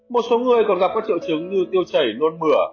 một số người còn gặp các triệu chứng như tiêu chảy nôn mửa